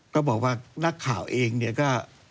ก็บอกว่านักข่าวเองเนี่ยก็